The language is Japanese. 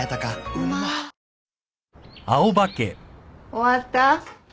終わった？